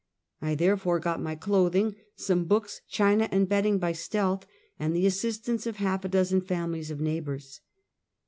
I there fore got my clothing, some books, china and bedding by stealth, and the assistance of half a dozen families of neighbors.